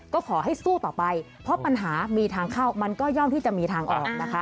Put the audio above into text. ก็ขอให้สู้ต่อไปเพราะปัญหามีทางเข้ามันก็ย่อมที่จะมีทางออกนะคะ